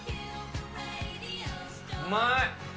うまい。